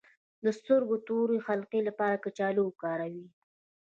د سترګو د تورې حلقې لپاره کچالو وکاروئ